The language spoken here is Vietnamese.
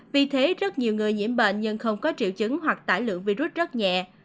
vì thế rất nhiều người nhiễm bệnh nhưng không có triệu chứng hoặc tải lượng virus rất nhẹ